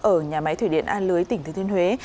ở nhà máy thủy điện an lưới tỉnh thương thiên huế